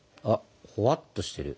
ほわっとしてる。